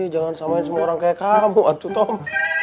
jangan samain semua orang kayak kamu atu toh